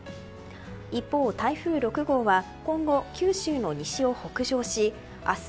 一方、台風６号は今後九州の西を北上し明日